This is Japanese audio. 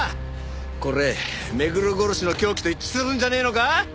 これ目黒殺しの凶器と一致するんじゃねえのか？